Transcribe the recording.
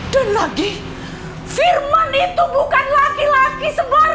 dan lagi firman itu bukan laki laki sembarangan anton